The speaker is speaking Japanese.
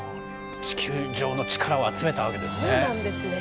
地球上の力を集めたわけなんですね。